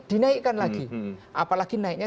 dinaikkan lagi apalagi naiknya